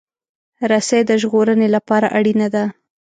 رسۍ د ژغورنې لپاره اړینه ده.